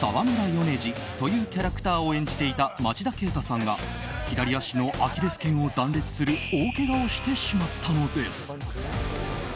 米示というキャラクターを演じていた町田啓太さんが左足のアキレスけんを断裂する大けがをしてしまったのです。